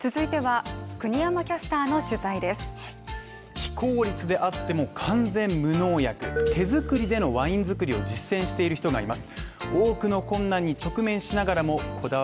非効率であっても、完全無農薬手作りでのワイン作りを実践している人がいます。